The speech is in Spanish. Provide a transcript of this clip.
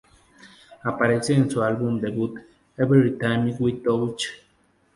Aparece en su álbum debut, "Everytime We Touch".